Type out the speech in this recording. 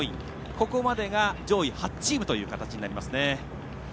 ここまでが上位８チームという形になりますね。